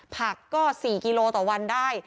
ผักก็๔กิโลต่อวันได้